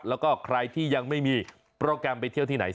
แล้วก็ใครที่ยังไม่มีโปรแกรมไปเที่ยวที่ไหน